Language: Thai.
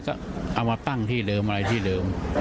ก็เอามาตั้งที่เดิมอะไรที่เดิม